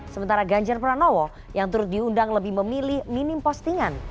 sementara ganjar pranowo yang turut diundang lebih memilih minim postingan